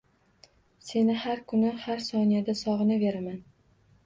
Seni har kuni, har soniyada sog`inaveraman